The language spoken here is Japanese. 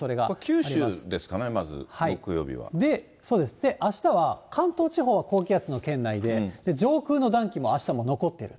九州ですかね、まず、そうです、で、あしたは関東地方は高気圧の圏内で、上空の暖気もあしたも残っている。